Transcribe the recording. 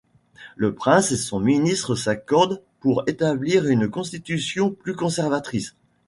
Le prince et son ministre s'accordent pour établir une constitution plus conservatrice.